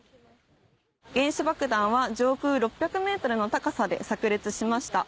原子爆弾は上空６００ｍの高さでさく裂しました。